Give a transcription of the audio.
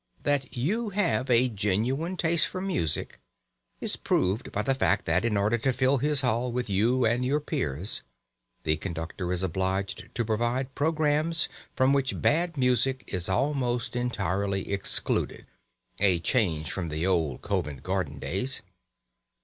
That you have a genuine taste for music is proved by the fact that, in order to fill his hall with you and your peers, the conductor is obliged to provide programmes from which bad music is almost entirely excluded (a change from the old Covent Garden days!).